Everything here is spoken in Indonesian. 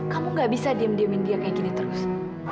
kamu gak bisa diem diemin dia kayak gini terus